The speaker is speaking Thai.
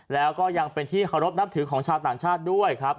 แล้วก็ยังเป็นที่เคารพนับถือของชาวต่างชาติด้วยครับ